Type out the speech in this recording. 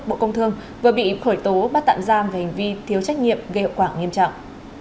bộ công thương vừa bị khởi tố bắt tạm giam về hành vi thiếu trách nhiệm gây hậu quả nghiêm trọng